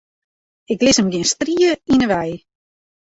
Ik lis him gjin strie yn 'e wei.